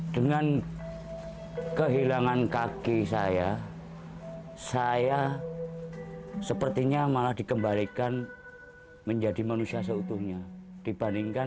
dengan kehilangan kaki saya saya sepertinya malah dikembalikan menjadi manusia seutuhnya dibandingkan